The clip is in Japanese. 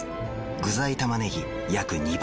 具材たまねぎ約２倍。